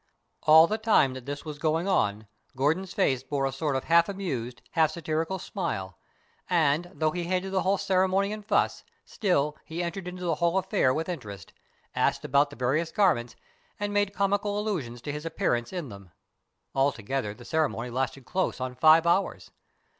All the time that this was going on, Gordon's face bore a sort of half amused, half satirical smile, and, though he hated the whole ceremony and fuss, still, he entered into the whole affair with interest, asked about the va rious garments, and made comical allusions to his appear ance in them. Altogether the ceremony lasted close on five hours.